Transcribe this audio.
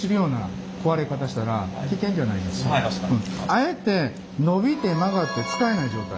あえて伸びて曲がって使えない状態